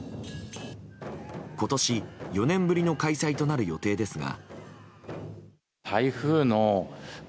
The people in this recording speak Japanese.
今年、４年ぶりの開催となる予定ですが。